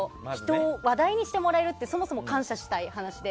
話題にしてもらえるってそもそも感謝したい話で。